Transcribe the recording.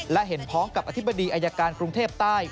และเห็นพ้องกับอธิบดีอายการกรุงเทพใต้